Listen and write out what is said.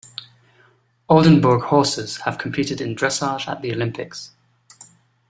Oldenburg horses have competed in Dressage at the Olympics.